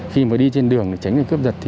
khi mà đi trên đường tránh cướp sật